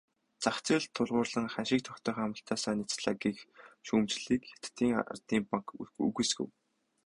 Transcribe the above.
Зах зээлд тулгуурлан ханшийг тогтоох амлалтаасаа няцлаа гэх шүүмжийг Хятадын ардын банк үгүйсгэв.